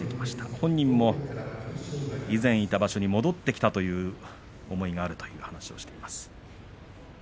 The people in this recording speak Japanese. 本人も以前いた場所に戻ってきたという思いがあるという話をしています。